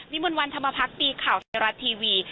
มนต์วันธรรมพักดีข่าวไทยรัฐทีวี